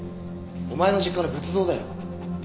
お前の実家の仏像だよ。